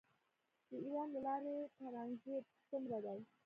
د ایران له لارې ټرانزیټ څومره دی؟